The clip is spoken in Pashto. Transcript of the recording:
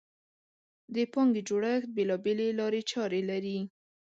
د پانګې جوړښت بېلابېلې لارې چارې لري.